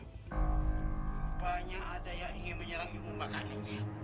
rupanya ada yang ingin menyerang ibu pak kanu